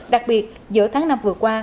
đặc biệt giữa tháng năm vừa qua